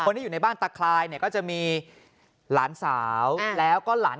ที่อยู่ในบ้านตะคลายเนี่ยก็จะมีหลานสาวแล้วก็หลาน